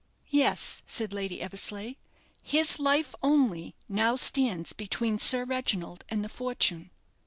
"Yes," said Lady Eversleigh; "his life only now stands between Sir Reginald and fortune."